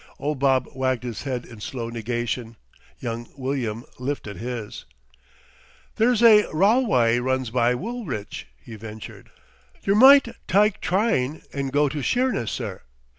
Old Bob wagged his head in slow negation; young William lifted his. "There's a rylewye runs by Woolwich," he ventured. "Yer might tyke tryne an' go to Sheerness, sir.